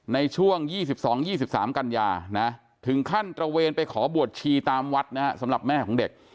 ในช่วง๒๒๒๓กันยานะถึงขั้นตระเวนไปขอบวชชีตามวัดนะฮะสำหรับแม่ของเด็ก